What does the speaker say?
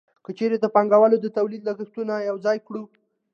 که چېرې د پانګوال د تولید لګښتونه یوځای کړو